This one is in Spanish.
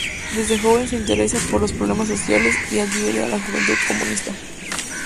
Desde joven se interesa por los problemas sociales y adhiere a la Juventud Comunista.